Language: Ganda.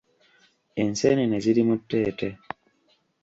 Enseenene ziri mu tteete.